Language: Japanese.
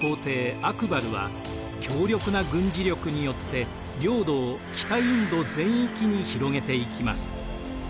アクバルは強力な軍事力によって領土を北インド全域に広げていきます。